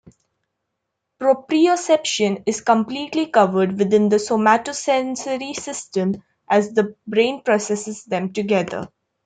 Proprioception is completely covered within the somatosensory system as the brain processes them together.